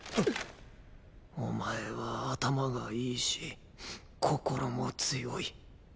お前は頭がいいし心も強い。